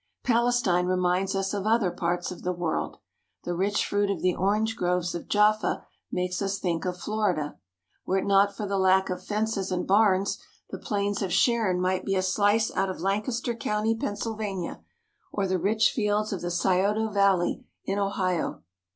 Palestine reminds us of other parts of the world. The rich fruit of the orange groves of Jaffa makes us think of Florida. Were it not for the lack of fences and barns, the plains of Sharon might be a slice out of Lancaster County, Pennsylvania, or the rich fields of the Scioto Valley in Ohio.